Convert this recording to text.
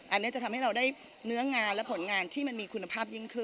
อันนี้จะทำให้เราได้เนื้องานและผลงานที่มันมีคุณภาพยิ่งขึ้น